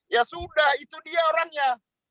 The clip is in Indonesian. ya sudah itu dia orangnya